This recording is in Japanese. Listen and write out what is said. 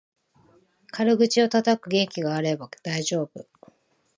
軽口をたたく元気があれば大丈夫